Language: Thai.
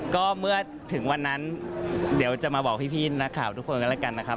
ก็เมื่อถึงวันนั้นเดี๋ยวจะมาบอกพี่นะครับ